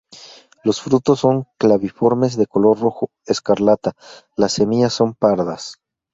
Los frutos son claviformes, de color rojo escarlata, las semillas son pardas.